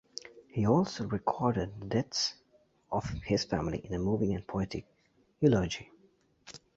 He also recorded the deaths of his family in a moving and poetic eulogy.